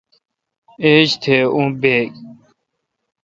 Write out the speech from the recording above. ایج تھ اوں بیگ۔